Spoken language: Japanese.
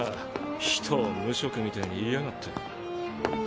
人を無職みてぇに言いやがって。